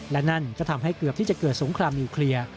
และนั่นก็ทำให้เกือบที่จะเกิดสงครามนิวเคลียร์